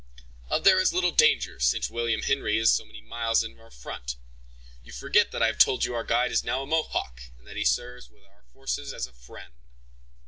"Of that there is little danger, since William Henry is so many miles in our front. You forget that I have told you our guide is now a Mohawk, and that he serves with our forces as a friend."